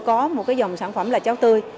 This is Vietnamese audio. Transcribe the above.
có một dòng sản phẩm là cháo tươi